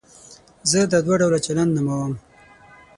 زه دا دوه ډوله چلند نوموم.